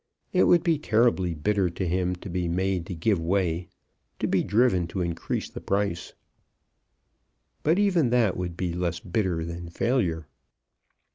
It would be terribly bitter to him to be made to give way, to be driven to increase the price; but even that would be less bitter than failure.